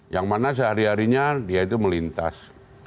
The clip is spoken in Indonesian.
yang mana sehari harinya dia itu melintas